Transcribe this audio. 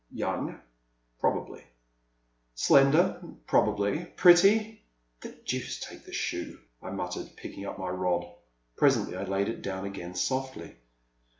Young? Probably. Slender? Probably. Pretty? The deuce take the shoe/' I muttered, picking up my rod. Presently I laid it down again, softly.